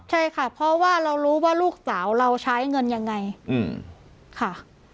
ใช่ค่ะเพราะว่าเรารู้ว่าลูกสาวเราใช้เงินยังไงค่ะ